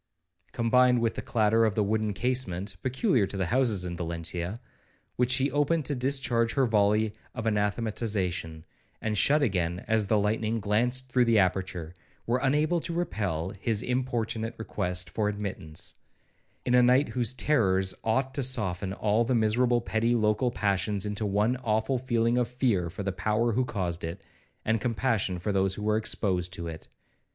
'—combined with the clatter of the wooden casement (peculiar to the houses in Valentia) which she opened to discharge her volley of anathematization, and shut again as the lightning glanced through the aperture, were unable to repel his importunate request for admittance, in a night whose terrors ought to soften all the miserable petty local passions into one awful feeling of fear for the Power who caused it, and compassion for those who were exposed to it.